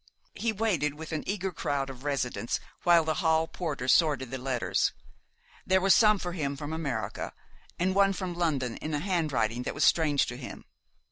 He waited with an eager crowd of residents while the hall porter sorted the letters. There were some for him from America, and one from London in a handwriting that was strange to him.